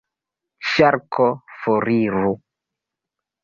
Ŝarko: "Foriru."